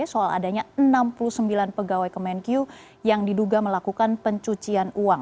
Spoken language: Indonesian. soal adanya enam puluh sembilan pegawai kemenkyu yang diduga melakukan pencucian uang